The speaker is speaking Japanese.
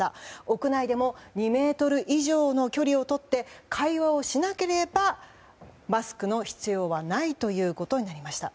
屋内でも２ｍ以上の距離を取って会話をしなければマスクの必要はないということになりました。